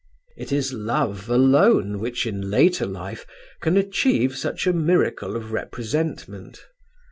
It is love alone which in later life can achieve such a miracle of representment.